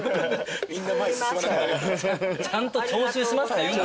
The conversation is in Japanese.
ちゃんと徴収しますって言うな。